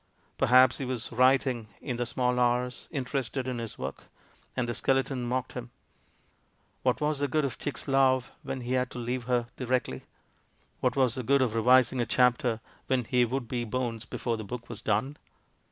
Perhaps he was writing, in the small hours, in terested in his work — and the skeleton mocked WITH INTENT TO DEFRAUD 233 him. What was the good of Chick's love, when he had to leave her directly? What was the good of revising a chapter, when he would be bones before the book was done?